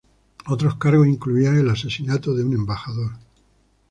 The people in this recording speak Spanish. Otros cargos incluían el asesinato de un embajador.